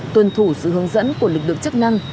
tuân thủ sự hướng dẫn của lực lượng chức năng